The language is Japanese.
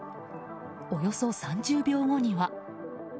およそ３０秒後には。